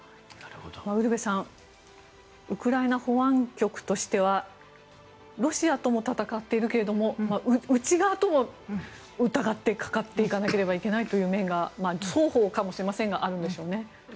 ウルヴェさんウクライナ保安局としてはロシアとも戦っているけど内側とも疑ってかかっていかなければいけないという面が双方かもしれませんがあるんでしょうね。